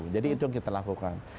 jadi itu yang kita lakukan